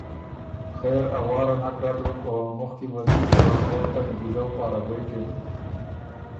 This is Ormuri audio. خېر ا واره نک رد دوک او مُخ کی وه دی ته وک ته نیکیزؤ پاره غوېکِن